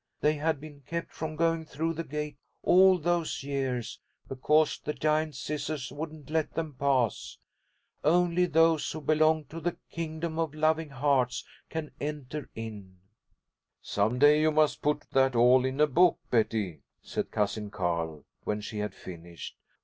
They had been kept from going through the gate all those years, because the Giant Scissors wouldn't let them pass. Only those who belong to the kingdom of loving hearts can enter in." "Some day you must put that all in a book, Betty," said Cousin Carl, when she had finished.